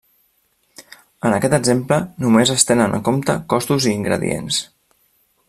En aquest exemple només es tenen en compte costos i ingredients.